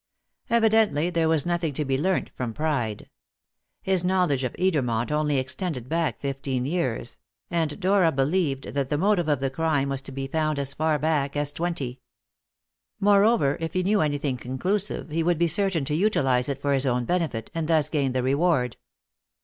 Evidently there was nothing to be learnt from Pride. His knowledge of Edermont only extended back fifteen years; and Dora believed that the motive of the crime was to be found as far back as twenty. Moreover, if he knew anything conclusive, he would be certain to utilize it for his own benefit, and thus gain the reward.